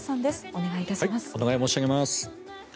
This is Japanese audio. お願い申し上げます。